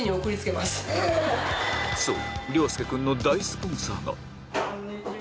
そう！